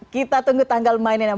kita tunggu tanggal mainan